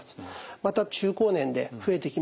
また中高年で増えてきます